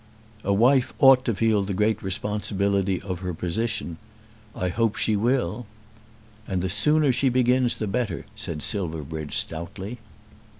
"A wife ought to feel the great responsibility of her position. I hope she will." "And the sooner she begins the better," said Silverbridge stoutly.